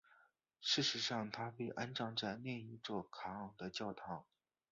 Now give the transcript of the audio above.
事实上她被安葬在另一座卡昂的教堂。